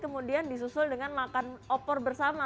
kemudian disusul dengan makan opor bersama